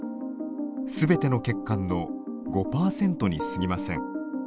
すべての血管の５％にすぎません。